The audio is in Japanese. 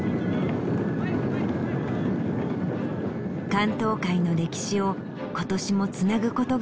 竿燈会の歴史を今年もつなぐことができるのか。